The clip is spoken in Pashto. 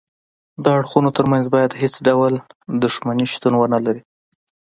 د اړخونو ترمنځ باید هیڅ ډول دښمني شتون ونلري